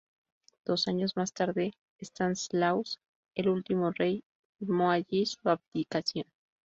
Dos años más tarde Stanislaus, el último rey, firmó allí su abdicación.